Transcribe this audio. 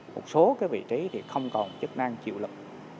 một số vị trí thì không còn chức năng chịu lực